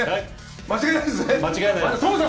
間違いないですね。